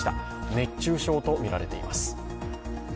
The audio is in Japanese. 熱中症とみられています。